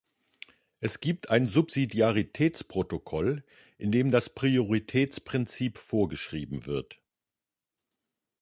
Es gibt ein Subsidiaritätsprotokoll, in dem das Prioritätsprinzip vorgeschrieben wird.